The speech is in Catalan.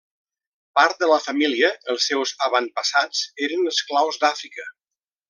Part de la família, els seus avantpassats, eren esclaus d'Àfrica.